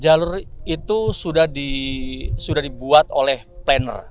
jalur itu sudah dibuat oleh planner